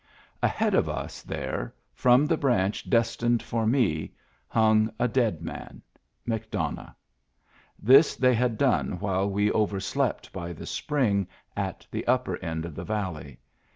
Ahead of us there, from the branch destined for me, hung a dead man, McDonough. This they had done while we over slept by the spring at the upper end of the valley.